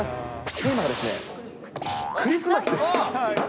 テーマがですね、クリスマスです。